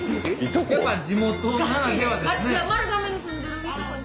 やっぱ地元ならではですね。